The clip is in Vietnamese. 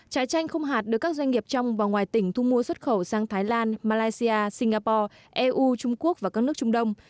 trái chanh không hạt được các doanh nghiệp trong và ngoài tỉnh thu mua xuất khẩu sang thái lan malaysia singapore eu trung quốc và các nước trung đông